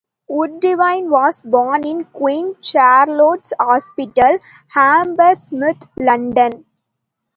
Woodvine was born in Queen Charlotte's Hospital, Hammersmith, London.